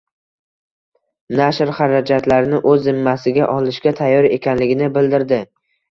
nashr xarajatlarini o‘z zimmasiga olishga tayyor ekanligini bildirdi...